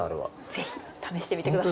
ぜひ試してみてください。